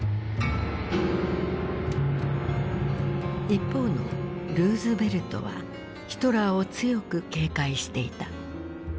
一方のルーズベルトはヒトラーを強く警戒していた。